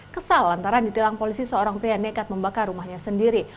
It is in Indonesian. kesal antara ditilang polisi seorang pria nekat membakar rumahnya sendiri